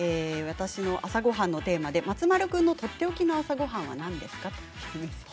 私の朝ごはんのテーマで松丸君のとっておきの朝ごはんは何ですか？